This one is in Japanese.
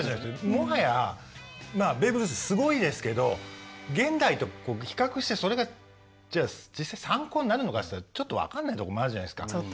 もはやまあベーブ・ルースすごいですけど現代と比較してそれが実際参考になるのかって言ったらちょっと分かんないとこもあるじゃないですか。